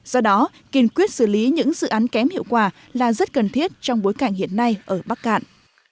do đó kiên quyết xử lý những dự án kém hiệu quả là rất cần thiết trong bối cảnh hiện nay ở bắc cạn